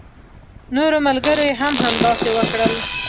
نورو ملګرو يې هم همداسې وکړل.